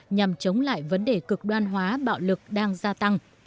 nhằm chống lại vấn đề cực đoan hóa bạo lực đang gia tăng